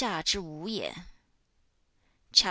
CHAP.